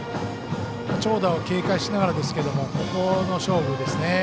長打を警戒しながらですがここの勝負ですね。